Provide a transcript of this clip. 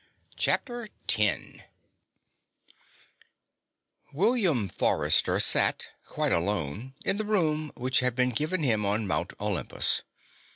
CHAPTER TEN William Forrester sat, quite alone, in the room which had been given him on Mount Olympus.